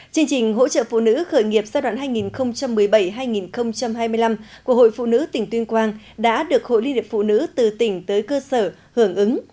chương trình hỗ trợ phụ nữ khởi nghiệp giai đoạn hai nghìn một mươi bảy hai nghìn hai mươi năm của hội phụ nữ tỉnh tuyên quang đã được hội liên hiệp phụ nữ từ tỉnh tới cơ sở hưởng ứng